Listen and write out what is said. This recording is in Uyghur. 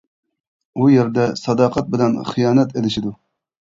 ئۇ يەردە ساداقەت بىلەن خىيانەت ئېلىشىدۇ.